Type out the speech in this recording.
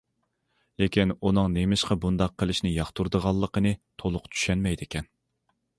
لېكىن ئۇنىڭ نېمىشقا بۇنداق قىلىشنى ياقتۇرىدىغانلىقىنى تولۇق چۈشەنمەيدىكەن.